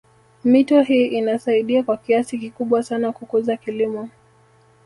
Mito hii inasaidia kwa kiasi kikubwa sana kukuza kilimo